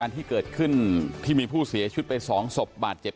การที่เกิดขึ้นที่มีผู้เสียชุดไปสองศพบาดเจ็บ